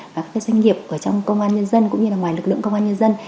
và các doanh nghiệp ở trong công an nhân dân cũng như là ngoài lực lượng công an nhân dân